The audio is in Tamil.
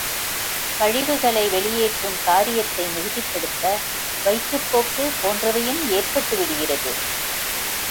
கழிவுகளை வெளியேற்றும் காரியத்தை மிகுதிப்படுத்த, வயிற்றுப் போக்கு போன்றவையும் ஏற்பட்டு விடுகிறது.